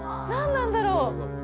何なんだろう？